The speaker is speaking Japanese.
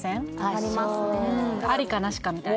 あっそうありかなしかみたいな